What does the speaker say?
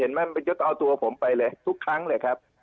เห็นมั้ยเพื่อนจะต้องเอาตัวผมไปเลยทุกครั้งเลยครับ